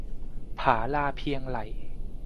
ผาลาเพียงไหล่